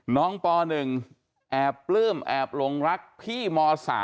น้องปหนึ่งเอกปลื้มโรงรักพี่ม๓